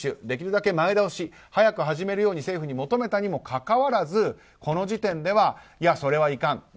できるだけ前倒し早く進めるように政府に求めたにもかかわらずこの時点では、それはいかん。